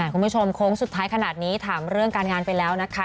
โค้งสุดท้ายขนาดนี้ถามเรื่องการงานไปแล้วนะคะ